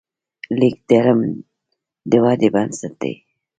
لیک د علم د ودې بنسټ دی.